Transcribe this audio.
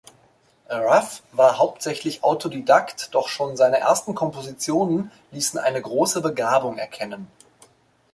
Raff war hauptsächlich Autodidakt, doch schon seine ersten Kompositionen ließen eine große Begabung erkennen.